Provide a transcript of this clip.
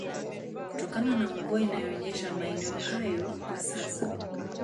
kutokana na mvua inayonyesha maeneo hayo kwa sasa